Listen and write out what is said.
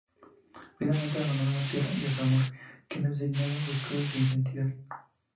Finalmente abandona la Tierra y a su amor, quien resignado descubre su identidad.